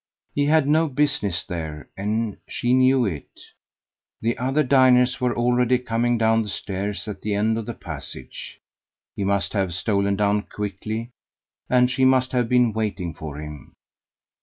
He had no business there, and she knew it. The other diners were already coming down the stairs at the end of the passage. He must have stolen down quickly, and she must have been waiting for him.